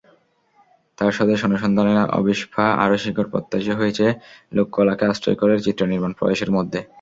তাঁর স্বদেশ-অনুসন্ধানের অভীপ্সা আরও শিকড়-প্রত্যাশী হয়েছে লোককলাকে আশ্রয় করে চিত্রনির্মাণ প্রয়াসের মধ্যে।